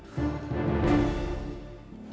ya udah kita ke sini